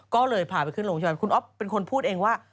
ก็เลยผ่าไปขึ้นลงชาวนี้คุณอ๊อฟเป็นคนพูดเองว่า